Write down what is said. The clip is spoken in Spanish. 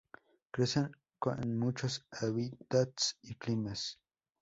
Crece en muchos hábitats y climas.